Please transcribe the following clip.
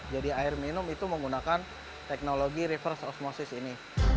jadi air minum itu menggunakan teknologi reverse osmosis ini